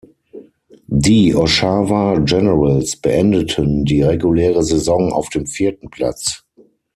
Die Oshawa Generals beendeten die reguläre Saison auf dem vierten Platz.